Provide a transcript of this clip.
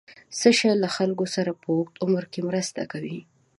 څه شی له خلکو سره په اوږد عمر کې مرسته کوي؟